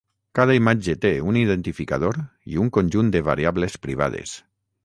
Cada imatge té un identificador i un conjunt de variables privades.